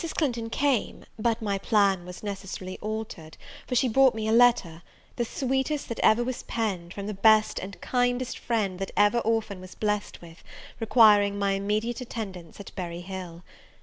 Clinton came; but my plan was necessarily altered, for she brought me a letter, the sweetest that ever was penned, from the best and kindest friend that ever orphan was blessed with, requiring my immediate attendance at Berry Hill.